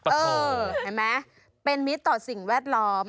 อืมเป็นมิตรต่อสิ่งแวดลอม